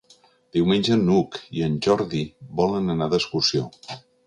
Diumenge n'Hug i en Jordi volen anar d'excursió.